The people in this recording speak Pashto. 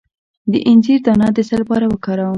د انځر دانه د څه لپاره وکاروم؟